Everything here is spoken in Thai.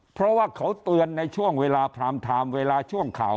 เพราะว่าเขาเตือนในช่วงเวลาพรามไทม์เวลาช่วงข่าว